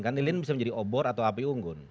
kan lilin bisa menjadi obor atau api unggun